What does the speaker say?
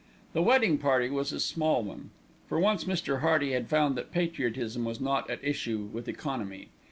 The wedding party was a small one. For once Mr. Hearty had found that patriotism was not at issue with economy.